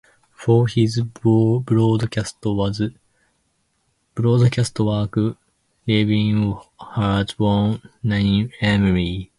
For his broadcast work, Levin has won nine Emmys.